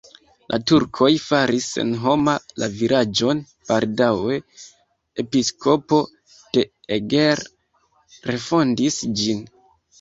La turkoj faris senhoma la vilaĝon, baldaŭe episkopo de Eger refondis ĝin.